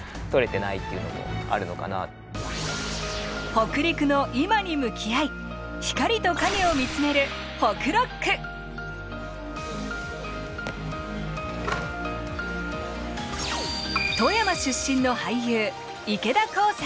北陸の今に向き合い光と影を見つめる富山出身の俳優池田航さん。